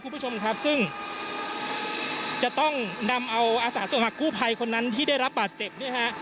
คุณผู้ชมครับซึ่งจะต้องนำเอาอาสาสมัครกู้ภัยคนนั้นที่ได้รับบาดเจ็บเนี่ยฮะ